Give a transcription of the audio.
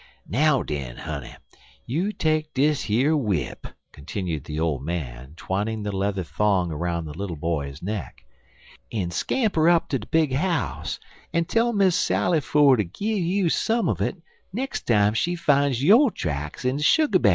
"Now den, honey, you take dis yer w'ip," continued the old man, twining the leather thong around the little boy's neck, "en scamper up ter de big 'ouse en tell Miss Sally fer ter gin you some un it de nex' time she fine yo' tracks in de sugar bar'l."